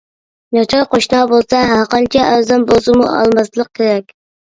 ناچار قوشنا بولسا ھەرقانچە ئەرزان بولسىمۇ ئالماسلىق كېرەك.